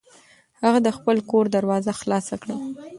هغه د خپل کور دروازه خلاصه کړه.